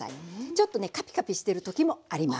ちょっとねカピカピしてる時もあります。